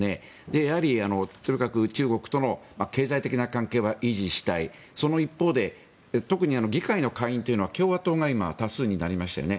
やはり、とにかく中国との経済的な関係は維持したいその一方で特に議会の下院というのは共和党が今、多数になりましたよね。